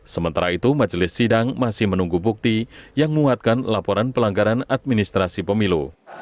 sementara itu majelis sidang masih menunggu bukti yang menguatkan laporan pelanggaran administrasi pemilu